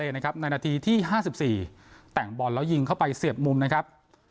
ในนาทีที่ห้าสิบสี่แต่งบอลแล้วยิงเข้าไปเสียบมุมนะครับ